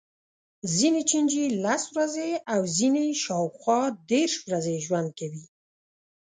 ځینې چینجي لس ورځې او ځینې یې شاوخوا دېرش ورځې ژوند کوي.